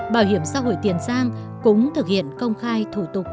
bảo hiểm xã hội tiền giang cũng thực hiện công khai thủ tục